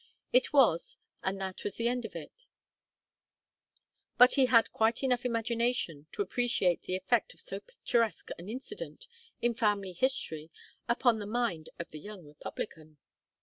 It was, and that was the end of it; but he had quite enough imagination to appreciate the effect of so picturesque an incident in family history upon the mind of the young republican.